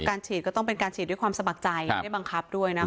ฉีดก็ต้องเป็นการฉีดด้วยความสมัครใจได้บังคับด้วยนะคะ